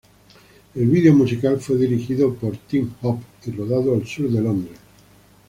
El video musical fue dirigido por Tim Hope y rodado al sur de Londres.